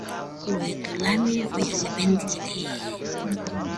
Loeto la me go ya lebenkeleng.